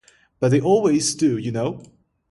But they always do, you know.